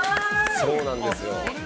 そうなんですよ。